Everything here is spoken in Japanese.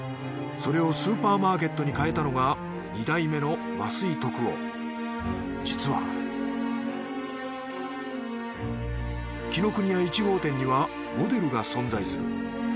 それをスーパーマーケットに変えたのが実は紀ノ国屋１号店にはモデルが存在する。